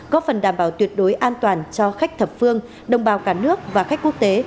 có phần đảm bảo tuyệt đối an toàn cho khách thập phương đồng bào cả nước và khách quốc tế